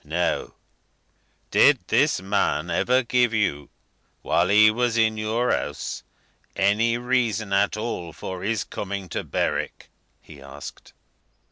"Now, did this man ever give you, while he was in your house, any reason at all for his coming to Berwick?" he asked.